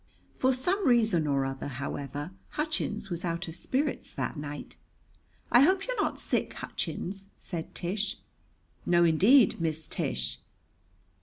For some reason or other, however, Hutchins was out of spirits that night. "I hope you're not sick, Hutchins?" said Tish. "No, indeed, Miss Tish."